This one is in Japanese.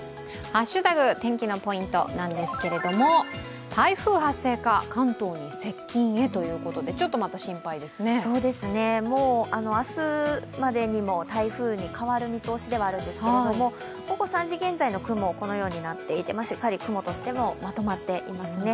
「ハッシュタグ天気」のポイントなんですけれども、台風発生か関東接近へということでもう明日までにも台風に変わる見通しではあるんですけれども、午後３時現在の雲、このようになっていて、雲としてもまとまっていますね。